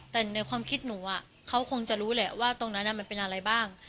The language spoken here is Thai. แต่ในความคิดหนูเขาคงจะรู้แหละว่าตรงนั้นมันเป็นอะไรบ้าง